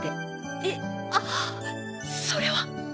えっあそれは。